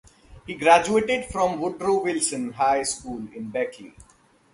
He graduated from Woodrow Wilson High School in Beckley.